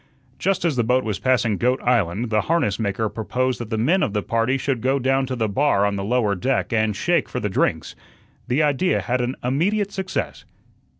Just as the boat was passing Goat Island, the harness maker proposed that the men of the party should go down to the bar on the lower deck and shake for the drinks. The idea had an immediate success.